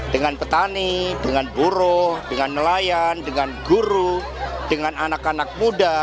dengan petani dengan buruh dengan nelayan dengan guru dengan anak anak muda